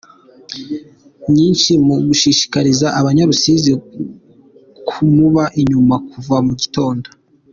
nyinshi mu gushishikariza abanya Rusizi kumuba inyuma kuva mu gitondo.